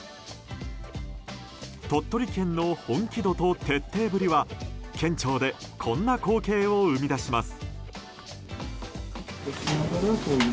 兎取県の本気度と徹底ぶりは県庁でこんな光景を生み出します。